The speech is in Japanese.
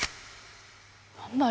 何だよ？